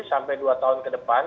sampai dua tahun ke depan